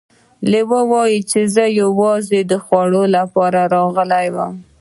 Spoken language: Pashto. لیوه وویل چې زه یوازې د خوړو لپاره راغلی وم.